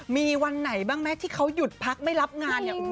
มีวันไหนบ้างไหมที่เขาหยุดพักไม่รับงานเนี่ย